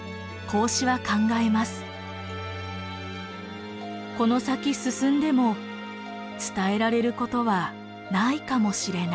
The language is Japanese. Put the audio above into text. この先進んでも伝えられることはないかもしれない。